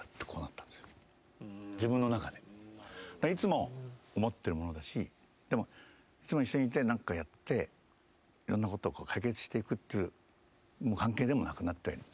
いつも思ってるものだしでもいつも一緒にいて何かやっていろんなことを解決していくという関係でもなくなってはいるんですね。